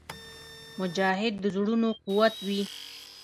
مجاهد د زړونو قوت وي.